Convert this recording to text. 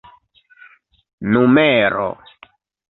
numero